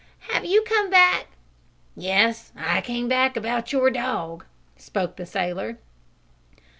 "Have you come back " "Yes, I came back about your dog," spoke the sailor.